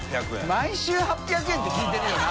毎週８００円って聞いてるよな。